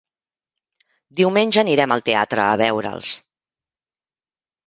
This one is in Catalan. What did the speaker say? Diumenge anirem al teatre a veure'ls.